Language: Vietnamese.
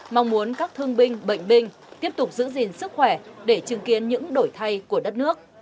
mong muốn các thương binh bệnh binh tiếp tục giữ gìn sức khỏe để chứng kiến những đổi thay của đất nước